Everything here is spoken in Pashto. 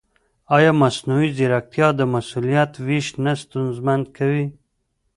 ایا مصنوعي ځیرکتیا د مسؤلیت وېش نه ستونزمن کوي؟